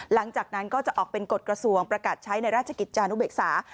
หลังจากนั้นก็จะออกเป็นกฎกระทรวงประกาศใช้ในราชกิจจานุเบกษา